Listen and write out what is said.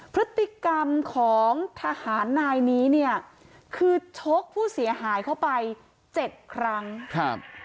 พฤติกรรมของทหารนายนี้เนี่ยคือชกผู้เสียหายเข้าไปเจ็ดครั้งครับ